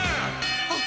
あっ！